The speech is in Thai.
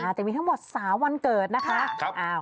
แต่มีทั้งหมด๓วันเกิดนะคะ